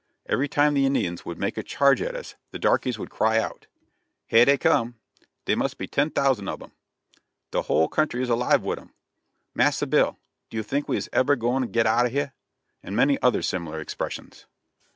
Every time the Indians would make a charge at us, the darkeys would cry out: "Heah dey cum;" "Dey must be ten thousand ob 'em;" "De whole country is alive wid 'em;" "Massa Bill, does you tink we is eber agoin' to get out o' heah?" and many other similar expressions.